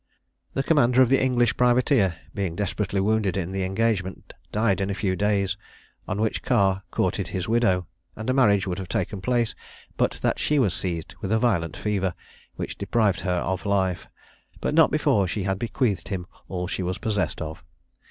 The commander of the English privateer, being desperately wounded in the engagement, died in a few days; on which Carr courted his widow, and a marriage would have taken place, but that she was seized with a violent fever, which deprived her of life but not before she had bequeathed him all she was possessed of.